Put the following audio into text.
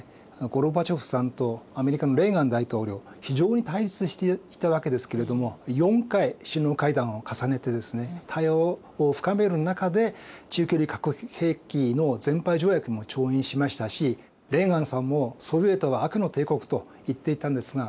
ゴルバチョフさんとアメリカのレーガン大統領非常に対立していたわけですけれども４回首脳会談を重ねてですね対話を深める中で中距離核兵器の全廃条約も調印しましたしレーガンさんも「ソビエトは悪の帝国」と言っていたんですが